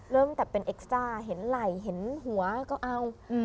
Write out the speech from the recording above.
เริ่มแต่เป็นเอ็กซ้าเห็นไหล่เห็นหัวก็เอา